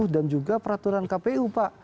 dan juga peraturan kpu pak